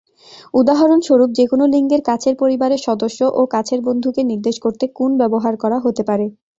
উদাহরণস্বরূপ, যেকোন লিঙ্গের কাছের পরিবারের সদস্য ও কাছের বন্ধুকে নির্দেশ করতে "-কুন" ব্যবহার করা হতে পারে।